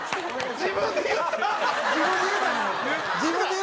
自分で言うたぞ！